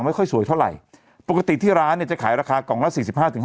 พูลิพัทเคยได้ติดต่อนางไปเล่นอันนั้นนางไม่ยอมเล่น